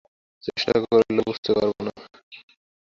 চেষ্টা করলেও বুঝতে পারব না।